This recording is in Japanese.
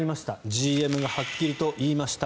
ＧＭがはっきりと言いました。